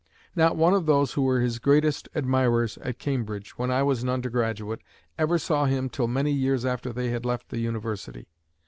Not one of those who were his greatest admirers at Cambridge, when I was an undergraduate, ever saw him till many years after they had left the University.